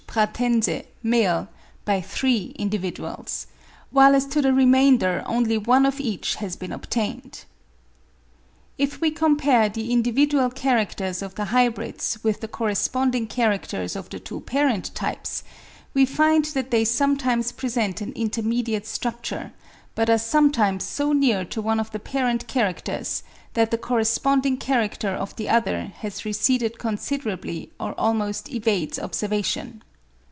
pratense $ by three individuals, while as to the remainder only one of each has been obtained. If we compare the individual characters of the hybrids with the corresponding characters of the two parent types, we find that they sometimes present an intermediate structure, but are sometimes so near to one of the parent characters that the [corresponding] character of the other has receded considerably or almost evades observation.